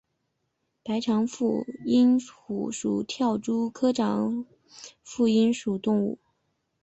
白长腹蝇虎属为跳蛛科长腹蝇虎属的动物。